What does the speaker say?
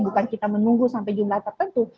bukan kita menunggu sampai jumlah tertentu